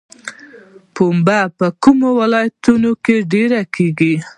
پنبه په کومو ولایتونو کې ډیره کیږي؟